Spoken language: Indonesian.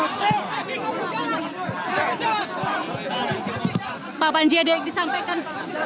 bapak panji ada yang mau disampaikan